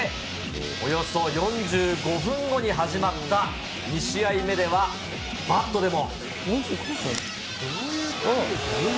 およそ４５分後に始まった２試合目では、バットでも。